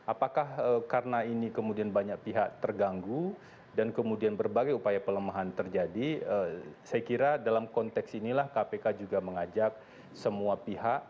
apakah karena ini kemudian banyak pihak terganggu dan kemudian berbagai upaya pelemahan terjadi saya kira dalam konteks inilah kpk juga mengajak semua pihak